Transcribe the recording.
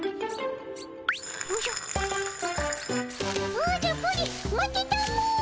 おじゃプリン待ってたも。